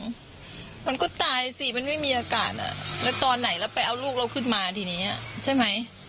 เค้าคิดมันก็ตายแล้วมันไม่มีอากาศแล้วไปเอ้ารูกเราขึ้นมาใช่ไหม